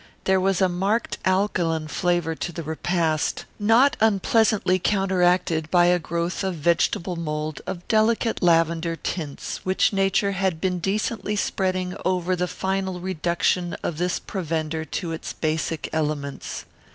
There was a marked alkaline flavour to the repast, not unpleasantly counteracted by a growth of vegetable mould of delicate lavender tints which Nature had been decently spreading over the final reduction of this provender to its basic elements.